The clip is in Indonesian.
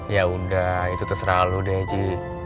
yaudah itu terserah lo deh ji